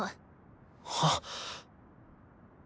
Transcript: はっ。